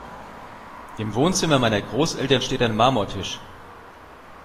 Im Wohnzimmer meiner Großeltern steht ein Marmortisch.